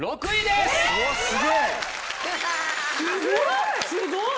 すごい！